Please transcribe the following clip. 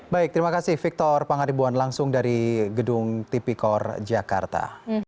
baik terima kasih victor pangaribuan langsung dari gedung tipikor jakarta